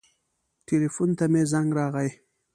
ټیلیفون ته مې زنګ راغی.